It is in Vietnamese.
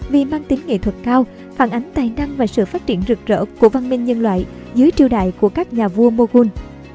vì mang tính nghệ thuật cao phản ánh tài năng và sự phát triển rực rỡ của văn minh nhân loại dưới triều đại của các nhà vua moghul